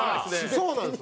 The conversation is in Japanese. そうなんですよ。